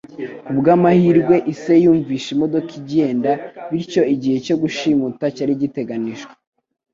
Ku bw'amahirwe, ise yumvise imodoka igenda bityo igihe cyo gushimuta cyari giteganijwe.